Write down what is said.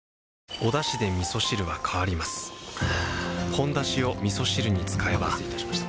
「ほんだし」をみそ汁に使えばお待たせいたしました。